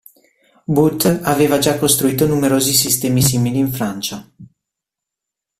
Boot aveva già costruito numerosi sistemi simili in Francia.